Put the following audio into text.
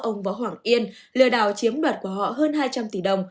ông võ hoàng yên lừa đào chiếm đoạt của họ hơn hai trăm linh tỷ đồng